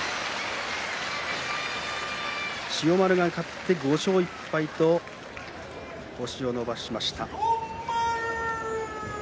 千代丸が勝って５勝１敗と星を伸ばしました。